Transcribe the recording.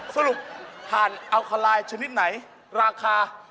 สรุปถ่านอัลคาไลน์ชนิดไหนราคา